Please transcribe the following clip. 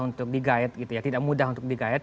untuk digait tidak mudah untuk digait